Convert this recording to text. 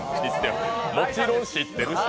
もちろん知ってるし。